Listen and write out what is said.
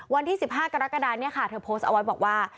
วันที่๑๕กรกฎาเนี่ยค่ะเธอโพสต์เอาไว้บอกว่า